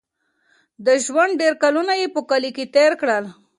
د ژوند ډېر کلونه یې په کلي کې تېر کړل.